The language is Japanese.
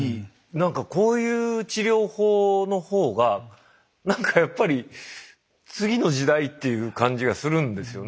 何かこういう治療法のほうが何かやっぱり次の時代っていう感じがするんですよね。